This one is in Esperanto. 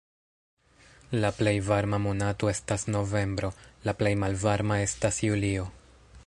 La plej varma monato estas novembro, la plej malvarma estas julio.